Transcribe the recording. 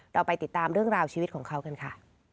เราไปติดตามเรื่องราวชีวิตของเขากันค่ะ